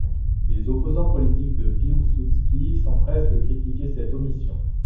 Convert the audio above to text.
Les opposants politiques de Piłsudski s'empressent de critiquer cette omission.